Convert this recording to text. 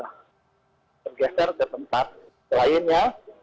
tergeser ke tempat lainnya